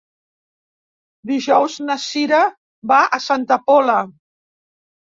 Dijous na Cira va a Santa Pola.